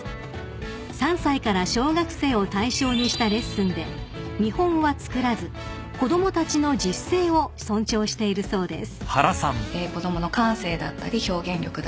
［３歳から小学生を対象にしたレッスンで見本は作らず子供たちの自主性を尊重しているそうです］